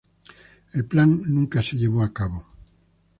El plan nunca se llevó a cabo.